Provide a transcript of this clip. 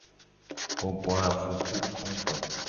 Gbogboavukukoto.